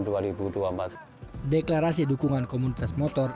deklarasi dukungan komunitas mota pondok pesantren dan kota palembang